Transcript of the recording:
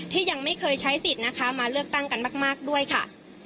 ยังไม่เคยใช้สิทธิ์นะคะมาเลือกตั้งกันมากด้วยค่ะ